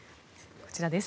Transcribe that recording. こちらです。